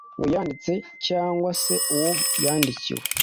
uwayanditse cyangwa se uwo yandikiwe.